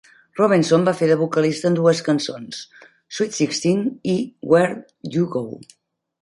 Roberson va fer de vocalista en dues cançons: ""Sweet Sixteen" i "Where'd You Go".